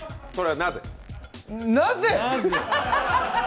なぜ？